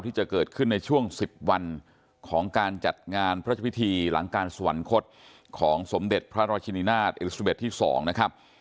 ที่จะเกิดขึ้นในช่วง๑๐วันของการจัดงานพระพิธีหลังการสวรรคตของสมเด็จพระราชินินาศเอลิซาเบสที่๒นะครับ